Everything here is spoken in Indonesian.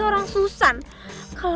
tak santa di kendala